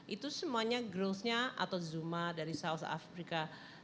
itu semuanya growth nya atau zuma dari south africa